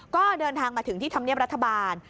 ก็เดินทางมาถึงที่ธรรมเนียบรัฐบาล